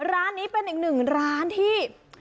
ร้านนี้เป็นอื่นร้านที่